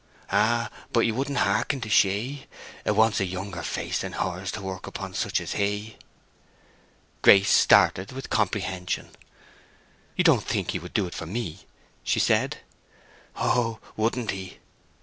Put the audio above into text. "Ay; but he wouldn't hearken to she! It wants a younger face than hers to work upon such as he." Grace started with comprehension. "You don't think he would do it for me?" she said. "Oh, wouldn't he!"